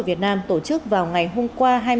việt nam tổ chức vào ngày hôm qua